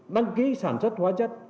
đăng ký sản xuất hóa chất